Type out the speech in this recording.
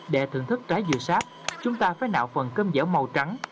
để thưởng thức trái dừa sáp chúng ta phải nạo phần cơm giở màu trắng